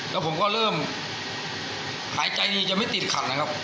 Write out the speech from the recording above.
แล้วผมก็เริ่มหายใจดีจะไม่ติดขัดนะครับ